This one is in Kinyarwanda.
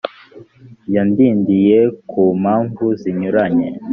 yadindiye ku mpamvu zinyuranye